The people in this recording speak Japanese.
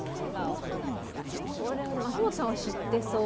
秋元さんは知ってそう？